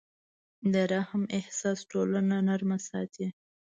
د رحم احساس ټولنه نرمه ساتي.